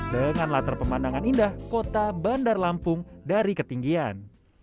dengan latar pemandangan indah kota bandar lampung dari ketinggian